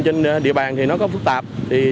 trên địa bàn thì nó có phức tạp